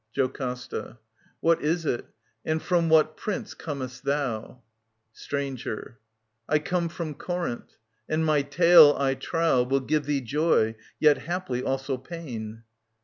JOCASTA. |§ What is it ? And from what prince comest thou ? Stranger. I come from Corinth. — And my tale, I trow, Will give thee joy, yet haply also pain.